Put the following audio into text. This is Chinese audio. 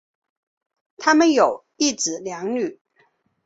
他们有一子两女。